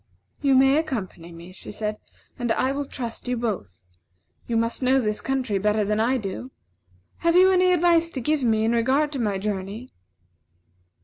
"You may accompany me," she said, "and I will trust you both. You must know this country better than I do. Have you any advice to give me in regard to my journey?"